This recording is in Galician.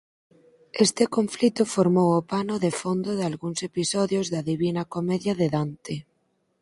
Este conflito formou o pano de fondo dalgúns episodios da "Divina Comedia" de Dante.